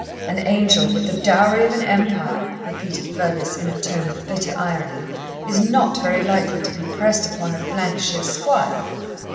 'An angel, with the dowry of an empire,' repeated Fergus, in a tone of bitter irony, 'is not very likely to be pressed upon a shire squire.